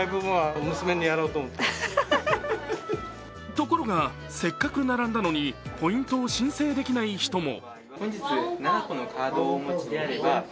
ところが、せっかく並んだのにポイントを申請できない人も。